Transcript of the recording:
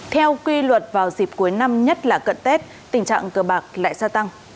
theo quy luật vào dịp cuối năm nhất là cận tết tình trạng cờ bạc lại gia tăng